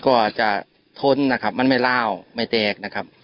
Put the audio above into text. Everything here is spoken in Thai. ก็จะทนนะครับมันไม่ล่าวไม่แตกนะครับ